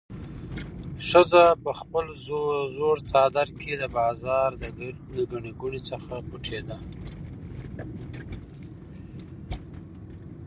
ښځه په خپل زوړ څادر کې د بازار د ګڼې ګوڼې څخه پټېده.